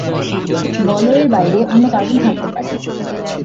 বলয়ের বাইরে অন্য কার্বন থাকতে পারে।